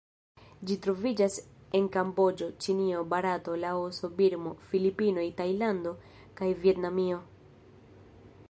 Ĝi troviĝas en Kamboĝo, Ĉinio, Barato, Laoso, Birmo, Filipinoj, Tajlando kaj Vjetnamio.